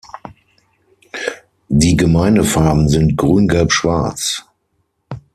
Die Gemeindefarben sind Grün-Gelb-Schwarz.